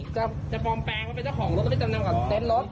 จะปลอมแปลงเขาเป็นเจ้าของรถไม่จำนำกับเจ้ารถ